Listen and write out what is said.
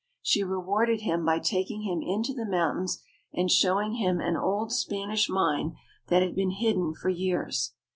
She rewarded him by taking him into the mountains and showing him an old Spanish mine that had been hidden for years.